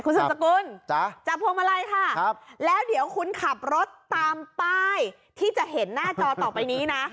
สุดสกุลจับพวงมาลัยค่ะแล้วเดี๋ยวคุณขับรถตามป้ายที่จะเห็นหน้าจอต่อไปนี้นะ